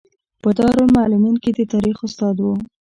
په دارالمعلمین کې د تاریخ استاد و.